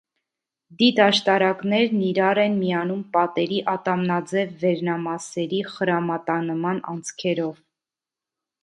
Դիտաշտարակներն իրար են միանում պատերի ատամնաձև վերնամասերի խրամատանման անցքերով։